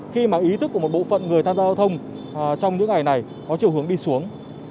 khi mà ý thức của một bộ phận người tham gia giao thông trong những ngày này có chiều hướng đi xuống